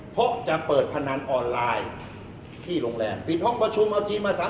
เพราะจะเปิดพนันออนไลน์ที่โรงแรมปิดห้องประชุมเอาทีมมา๓๐